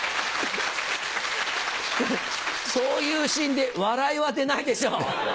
そういうシーンで笑いは出ないでしょう？